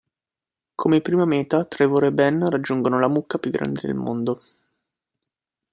Come prima meta, Trevor e Ben raggiungono la mucca più grande del mondo.